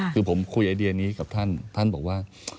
คือผมคุยไอเดียนี้กับท่านท่านบอกว่า